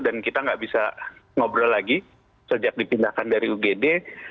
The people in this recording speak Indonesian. kita nggak bisa ngobrol lagi sejak dipindahkan dari ugd